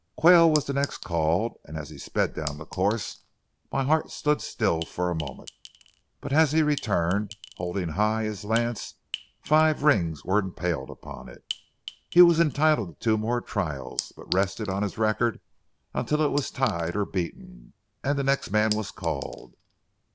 Quayle was the next called, and as he sped down the course my heart stood still for a moment; but as he returned, holding high his lance, five rings were impaled upon it. He was entitled to two more trials, but rested on his record until it was tied or beaten, and the next man was called.